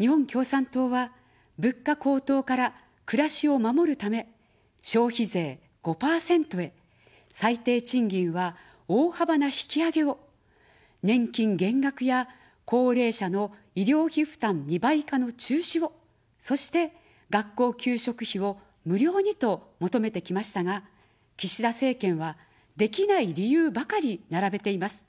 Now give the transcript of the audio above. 日本共産党は、物価高騰から暮らしを守るため、消費税５％へ、最低賃金は大幅な引き上げを、年金減額や高齢者の医療費負担２倍化の中止を、そして学校給食費を無料にと求めてきましたが、岸田政権はできない理由ばかり並べています。